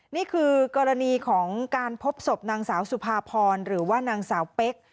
นี่คือกรณีของการพบศพนางสาวสุภาพรหรือว่านางสาวเป๊ก